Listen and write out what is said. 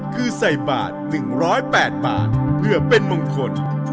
คือใส่บาท๑๐๘บาทเพื่อเป็นมงคล